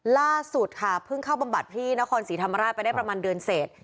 ล่าสุดค่ะเพิ่งเข้าบำบัดที่นครศรีธรรมราชไปได้ประมาณเดือนเศษ